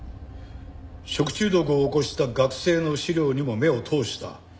食中毒を起こした学生の資料にも目を通した。